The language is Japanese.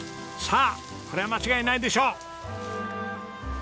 さあこれは間違いないでしょう。